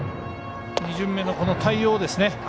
２巡目の対応ですね。